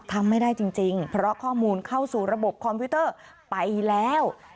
ทำไม่ได้จริงเพราะข้อมูลเข้าสู่ระบบคอมพิวเตอร์ไปแล้ว